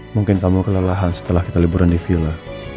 mungkin kamu kelelahan setelah kita liburan di villa